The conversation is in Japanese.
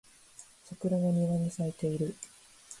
桜が庭に咲いている